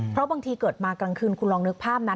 เพราะบางทีเกิดมากลางคืนคุณลองนึกภาพนะ